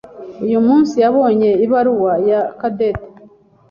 Uyu munsi yabonye ibaruwa ya Cadette.